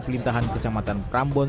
pelintahan kecamatan prambon